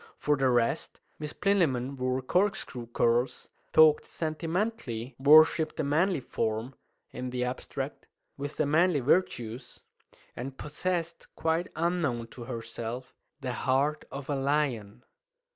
For the rest, Miss Plinlimmon wore corkscrew curls, talked sentimentally, worshipped the manly form (in the abstract) with the manly virtues, and possessed (quite unknown to herself) the heart of a lion.